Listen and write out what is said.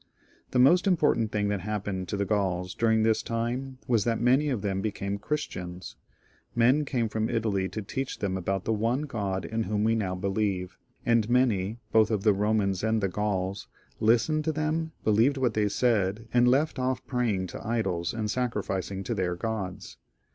The most important thing that happened to the Gauls dur ing this time was that many of them became Christians. Men came from Italy to teach them about the one God in whom we now believe, and many, both of the Eomans and the Gauls, listened to them, believed what they said, and left off praying to idols and sacrificmg to their gods.